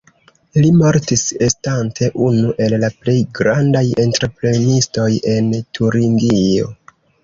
Li mortis estante unu el la plej grandaj entreprenistoj en Turingio.